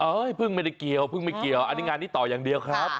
เออให้พึ่งไม่ได้เกี่ยวอันนี้งานนี้ต่อยังเดียวครับ